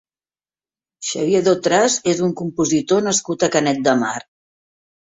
Xavier Dotras és un compositor nascut a Canet de Mar.